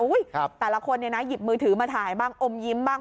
แต่ละคนเนี่ยนะหยิบมือถือมาถ่ายบ้างอมยิ้มบ้าง